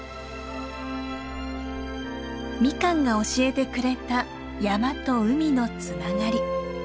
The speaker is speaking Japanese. ミカンが教えてくれた山と海のつながり。